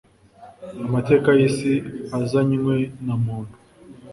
amateka y'isi azanywe na muntu